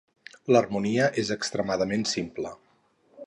L'harmonia és extremadament simple.